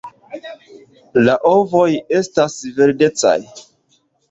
La ovoj estas verdecaj.